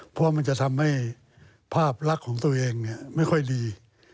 เพราะมันจะทำให้ภาพลักษณ์ของตัวเองไม่ค่อยดี